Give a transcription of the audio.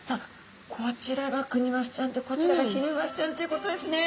こちらがクニマスちゃんでこちらがヒメマスちゃんということですね。